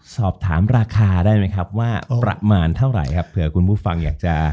สอบถามราคาได้ไหมครับว่าประมาณเท่าไหร่ครับเผื่อคุณผู้ฟังอยากจะ